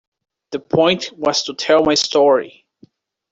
The point was to tell my story.